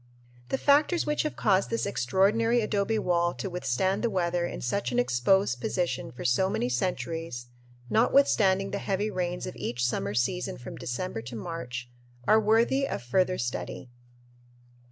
The factors which have caused this extraordinary adobe wall to withstand the weather in such an exposed position for so many centuries, notwithstanding the heavy rains of each summer season from December to March, are worthy of further study.